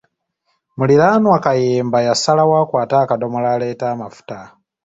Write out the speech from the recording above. Muliraanwa Kayemba yasalawo akwate akadomola aleete amafuta